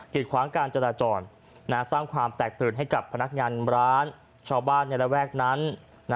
ขวางการจราจรสร้างความแตกตื่นให้กับพนักงานร้านชาวบ้านในระแวกนั้น